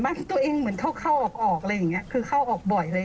บ้านตัวเองเหมือนเขาเข้าออกเลยอย่างนี้คือเข้าออกบ่อยเลย